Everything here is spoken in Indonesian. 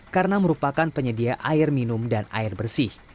karena merupakan penyedia air minum dan air bersih